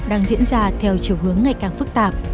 đang diễn ra theo chiều hướng ngày càng phức tạp